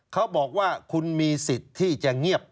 เขาบอกว่าคุณมีสิทธิ์ที่จะเงียบ